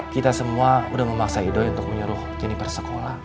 kita semua udah memaksa ido untuk menyuruh jeniper sekolah